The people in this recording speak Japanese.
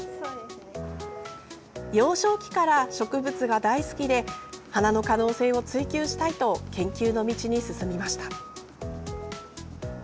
幼少期から植物が大好きで花の可能性を追求したいと研究の道に進みました。